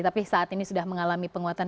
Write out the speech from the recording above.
tapi saat ini sudah mengalami penguatan